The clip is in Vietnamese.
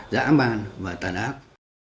giã man và tàn ác